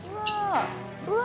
うわ！